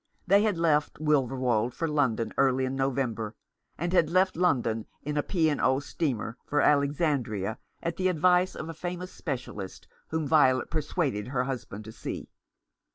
They had left Wilverwold for London early in November, and had left London in a P and O. steamer for Alexandria at the advice of a famous specialist whom Violet persuaded her husband to see.